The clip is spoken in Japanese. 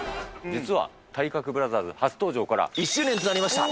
実は、体格ブラザーズ初登場から１周年となりました。